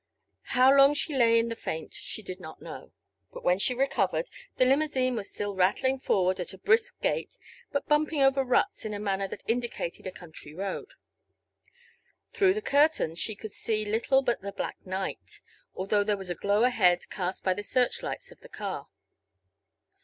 How long she lay in the faint she did not know. When she recovered the limousine was still rattling forward at a brisk gait but bumping over ruts in a manner that indicated a country road. Through the curtains she could see little but the black night, although there was a glow ahead cast by the searchlights of the car.